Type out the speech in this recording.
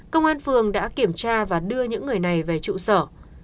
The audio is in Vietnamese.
công an phường đã kiểm tra và đưa những người này về trụ sở